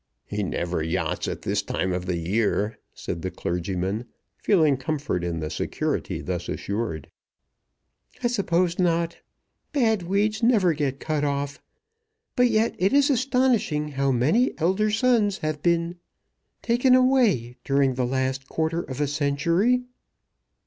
"He never yachts at this time of the year," said the clergyman, feeling comfort in the security thus assured. "I suppose not. Bad weeds never get cut off. But yet it is astonishing how many elder sons have been taken away, during the last quarter of a century."